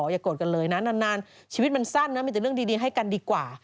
อย่าโกรธกันเลยนะนานชีวิตมันสั้นนะมีแต่เรื่องดีให้กันดีกว่า